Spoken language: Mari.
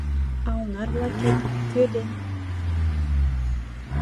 А онар-влакет, кӧ ден